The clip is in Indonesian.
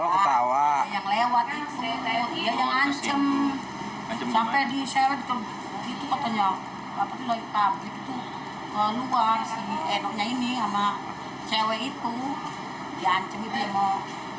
kalau luar si enoknya ini sama cewek itu di ancam itu ya mau